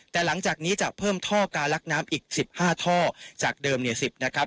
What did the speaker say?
แต่หลังจากนี้จะเพิ่มท่อการลักน้ำอีก๑๕ท่อจากเดิมเนี่ย๑๐นะครับ